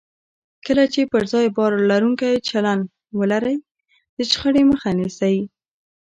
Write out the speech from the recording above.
کله چې پر ځان باور لرونکی چلند ولرئ، د شخړې مخه نیسئ.